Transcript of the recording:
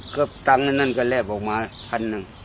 ก็ตังค์อันนั้นก็แลบออกมาพันหนึ่ง